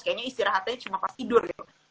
kayaknya istirahatnya cuma pas tidur gitu